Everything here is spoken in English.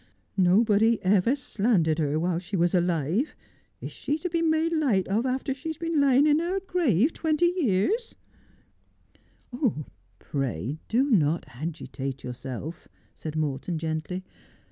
No body ever slandered her while she was alive. Is she to be made light of after she has been lying in her grave twenty years 1 '' Pray do not agitate yourself,' said Morton gently.